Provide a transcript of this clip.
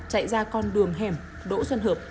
chạy ra con đường hẻm đỗ xuân hợp